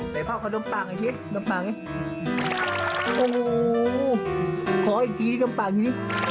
ไหนพ่อกันน้ำปากไอ้ชิน้ำปากนี้โอ้โหขออีกทีน้ำปากนี้